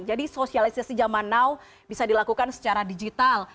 jadi sosialisasi zaman now bisa dilakukan secara digital